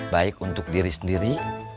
baik untuk diri sendiri